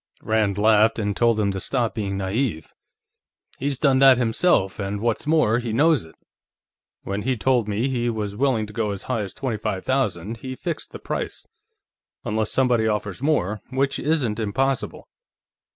Rand laughed and told him to stop being naïve. "He's done that, himself, and what's more, he knows it. When he told me he was willing to go as high as twenty five thousand, he fixed the price. Unless somebody offers more, which isn't impossible."